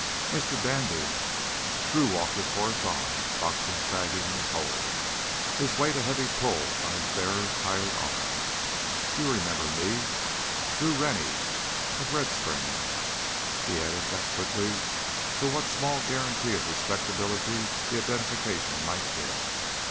"Mr. Dandy " Drew walked his horse on, Croxton sagging in his hold, his weight a heavy pull on his bearer's tired arms "do you remember me? Drew Rennie, of Red Springs." He added that quickly for what small guarantee of respectability the identification might give.